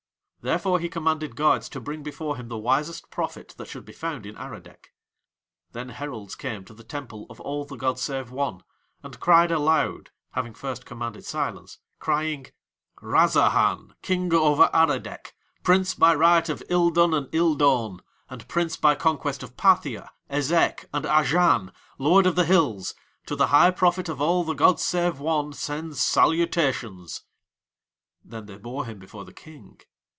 Therefore he commanded guards to bring before him the wisest prophet that should be found in Aradec. Then heralds came to the temple of All the gods save One, and cried aloud, having first commanded silence, crying: "Rhazahan, King over Aradec, Prince by right of Ildun and Ildaun, and Prince by conquest of Pathia, Ezek, and Azhan, Lord of the Hills, to the High Prophet of All the gods save One sends salutations." Then they bore him before the King.